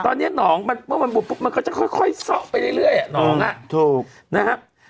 ตอนนี้หนองมันเมื่อมันบุดปุ๊บมันก็จะค่อยซ่อไปเรื่อยอ่ะหนองอ่ะถูกนะครับ